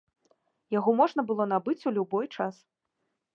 Яго можна было набыць у любой час.